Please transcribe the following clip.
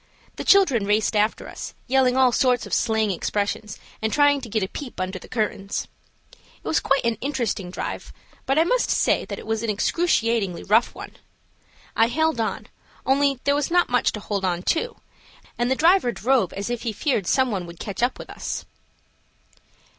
The children raced after us, yelling all sorts of slang expressions, and trying to get a peep under the curtains. It was quite an interesting drive, but I must say that it was an excruciatingly rough one. I held on, only there was not much to hold on to, and the driver drove as if he feared some one would catch up with us.